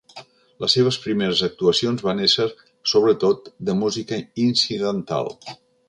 Les seves primeres actuacions van ésser, sobretot, de música incidental.